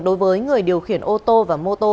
đối với người điều khiển ô tô và mô tô